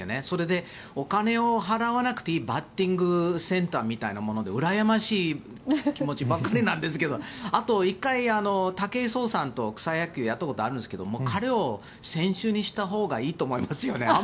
それで、お金を払わなくていいバッティングセンターみたいなものでうらやましい気持ちばかりなんですけどあと１回、武井壮さんと草野球をやったことあるんですけど彼を選手にしたほうがいいと思いますよね。